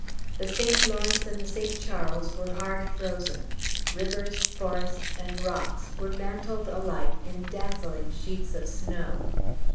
The St. Lawrence and the St. Charles were hard frozen; rivers, forests, and rocks were mantled alike in dazzling sheets of snow.